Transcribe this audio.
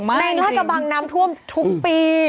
ลาดกระบังน้ำท่วมทุกปี